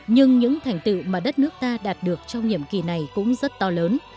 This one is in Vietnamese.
nhưng những thành tựu mà đất nước ta đạt được trong nhiệm kỳ này cũng rất to lớn